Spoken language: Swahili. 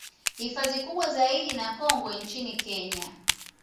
Hifadhi kubwa zaidi na kongwe nchini Kenya